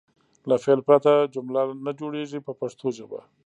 له فعل پرته جمله نه جوړیږي په پښتو ژبه.